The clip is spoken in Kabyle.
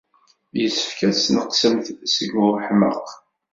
Yessefk ad tesneqsemt seg weḥmaq.